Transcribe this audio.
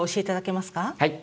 はい。